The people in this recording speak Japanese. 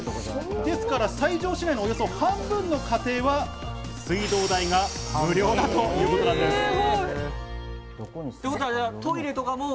ですから西条市内の半分の家庭は水道代が無料だということなんです。